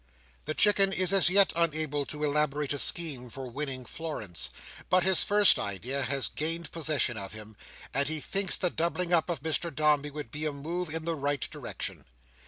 The Chicken is as yet unable to elaborate a scheme for winning Florence, but his first idea has gained possession of him, and he thinks the doubling up of Mr Dombey would be a move in the right direction.